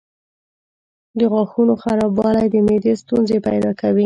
د غاښونو خرابوالی د معدې ستونزې پیدا کوي.